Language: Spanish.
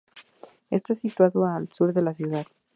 Está situado al sur de la ciudad.